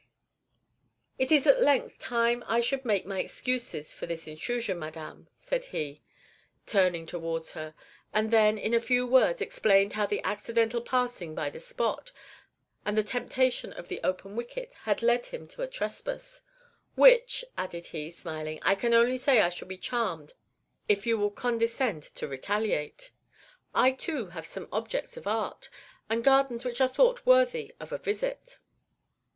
"It is at length time I should make my excuses for this intrusion, madame," said he, turning towards her; and then in a few words explained how the accidental passing by the spot, and the temptation of the open wicket, had led him to a trespass, "which," added he, smiling, "I can only say I shall be charmed if you will condescend to retaliate. I, too, have some objects of art, and gardens which are thought worthy of a visit."